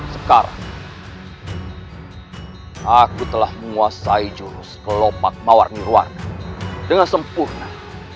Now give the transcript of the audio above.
sekarang aku telah menguasai jurus kelopak mawar nirwan dengan sempurna